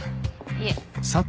いえ。